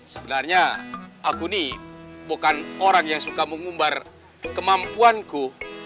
sebenarnya aku nih bukan orang yang suka mengumbar kemampuanku